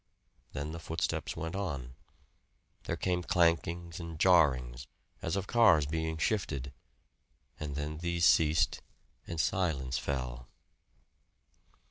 Then the footsteps went on. There came clankings and jarrings, as of cars being shifted, and then these ceased and silence fell.